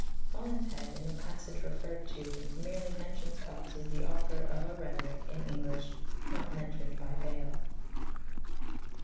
HoUinshed, in the passage referred to, merely mentions Cox as the author of a Rhetoric in English not mentioned by Bale.